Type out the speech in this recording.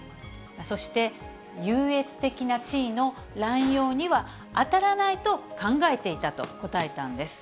そして、優越的な地位の乱用には当たらないと考えていたと答えたんです。